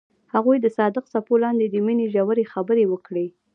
هغوی د صادق څپو لاندې د مینې ژورې خبرې وکړې.